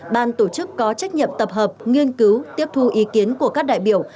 ban tổ chức có trách nhiệm tập hợp nghiên cứu tiếp thu ý kiến của các đại biểu